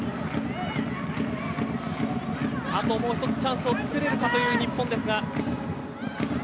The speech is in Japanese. あともう１つチャンスを作れるかという日本ですが。